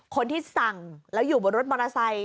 คนที่สั่งแล้วอยู่บนรถมอเตอร์ไซค